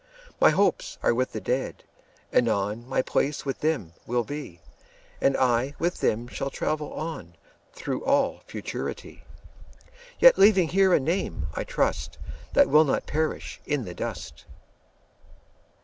My hopes are with the Dead; anon My place with them will be, 20 And I with them shall travel on Through all Futurity; Yet leaving here a name, I trust, That will not perish in the dust.